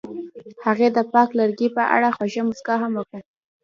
هغې د پاک لرګی په اړه خوږه موسکا هم وکړه.